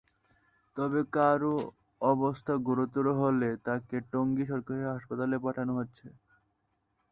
তবে কারও অবস্থা গুরুতর হলে তাঁকে টঙ্গী সরকারি হাসপাতালে পাঠানো হচ্ছে।